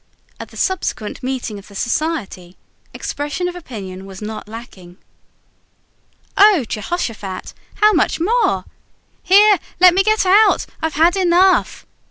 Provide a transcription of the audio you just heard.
At the subsequent meeting of the Society, expression of opinion was not lacking. "Oh, Jehoshaphat! How much more?" "Here, let me get out. I've had enough."